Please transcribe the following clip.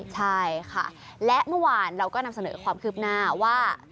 ใช่ค่ะและเมื่อวานเราก็นำเสนอความคืบหน้าว่า